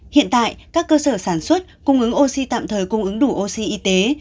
hiện tại các cơ sở sản xuất cung ứng oxy tạm thời cung ứng đủ oxy y tế